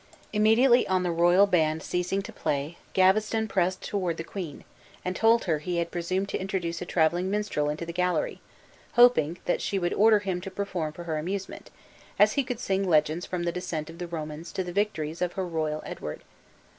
Immediately on the royal band ceasing to play, Gaveston pressed toward the queen, and told her he had presumed to introduce a traveling minstrel into the gallery; hoping that she would order him to perform for her amusement, as he could sing legends from the descent of the Romans to the victories of her royal Edward.